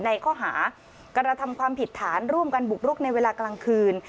ในข้อหากระทำความผิดฐานร่วมกันบุกรุกในเวลากลางคืน